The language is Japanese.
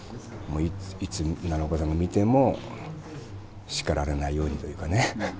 いつ奈良岡さんが見ても叱られないようにというかね。